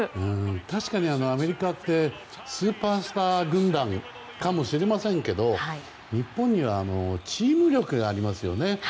確かにアメリカってスーパースター軍団かもしれませんけど日本にはチーム力がありますよね。